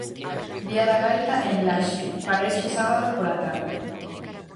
Día da gaita en Laxe, para este sábado pola tarde.